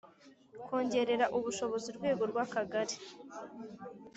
Kongerera ubushobozi urwego rw Akagari